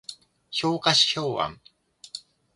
評価指標案